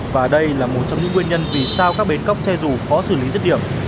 và đây là một trong những nguyên nhân vì sao các bến cóc xe dù khó xử lý rứt điểm